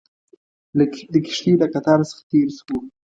د کښتیو له قطار څخه تېر شوو.